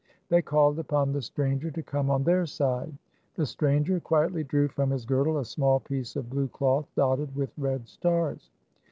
They called upon the stranger to come on their side. The stranger quietly drew from his girdle a small piece of blue cloth dotted with red stars.